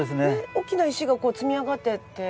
大きな石が積み上がってて。